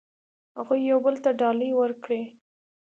هغوی یو بل ته ډالۍ ورکړې.